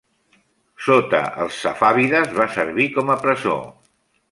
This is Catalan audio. Sota els safàvides va servir com a presó.